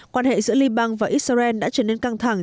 quan hệ giữa liban và israel đã trở nên căng thẳng